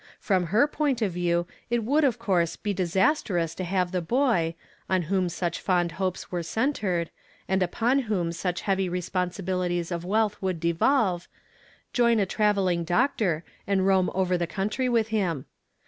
From her point of view it would of coui se be disastrous to have the boy, on whom such fond hopes were centred, and upon whom such heavy responsibilities of wealth would devolve, join a travelling doctor, and roam over the country with him.